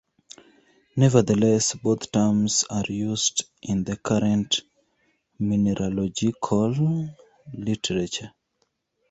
Nevertheless, both terms are used in the current mineralogical literature.